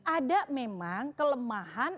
ada memang kelemahan